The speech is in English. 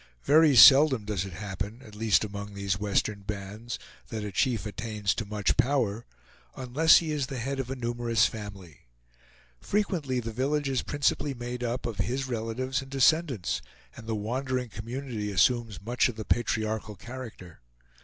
Very seldom does it happen, at least among these western bands, that a chief attains to much power, unless he is the head of a numerous family. Frequently the village is principally made up of his relatives and descendants, and the wandering community assumes much of the patriarchal character.